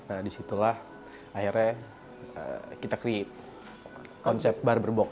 nah disitulah akhirnya kita create konsep barber box